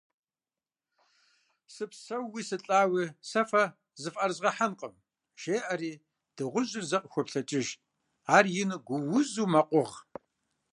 Сыпсэууи сылӀауи сэ фэ зыфӀэрызгъэхьэнкъым! - жеӀэри дыгъужьыр зэ къахуоплъэкӀыж, ар ину, гуузу мэкъугъ.